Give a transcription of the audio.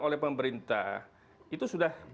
oleh pemerintah itu sudah